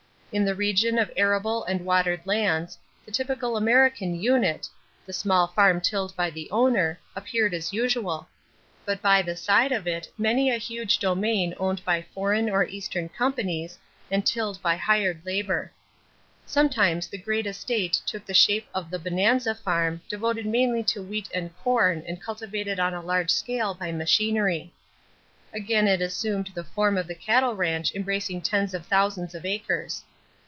In the region of arable and watered lands the typical American unit the small farm tilled by the owner appeared as usual; but by the side of it many a huge domain owned by foreign or Eastern companies and tilled by hired labor. Sometimes the great estate took the shape of the "bonanza farm" devoted mainly to wheat and corn and cultivated on a large scale by machinery. Again it assumed the form of the cattle ranch embracing tens of thousands of acres.